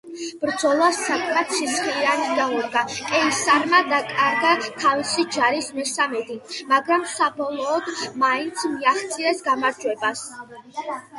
ბრძოლა საკმად სისხლიანი გამოდგა, კეისარმა დაკარგა თავისი ჯარის მესამედი, მაგრამ საბოლოოდ მაინც მიაღწია გამარჯვებას.